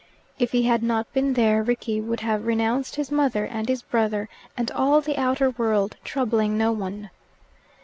If he had not been there, Rickie would have renounced his mother and his brother and all the outer world, troubling no one.